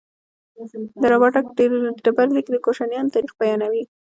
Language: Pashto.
د رباتک ډبرلیک د کوشانیانو تاریخ بیانوي